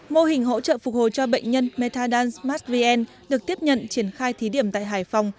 mô hình hỗ trợ phục hồi cho bệnh nhân metadan smartvien được tiếp nhận triển khai thí điểm tại hải phòng